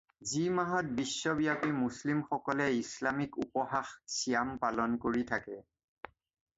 যি মাহত বিশ্বব্যাপী মুছলিম সকলে ইছলামিক উপহাস ছিয়াম পালন কৰি থাকে।